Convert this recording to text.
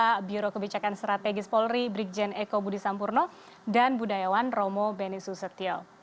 kepala biro kebijakan strategis polri brigjen eko budi sampurno dan budayawan romo beni susetio